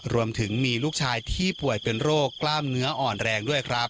รวมถึงมีลูกชายที่ป่วยเป็นโรคกล้ามเนื้ออ่อนแรงด้วยครับ